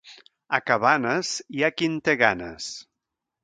A Cabanes, hi ha qui en té ganes.